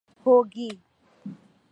ہو گی